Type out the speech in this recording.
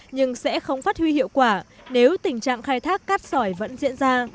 nhưng sẽ không phát huy hiệu quả nếu tình trạng khai thác cát sỏi vẫn diễn ra